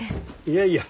いやいや。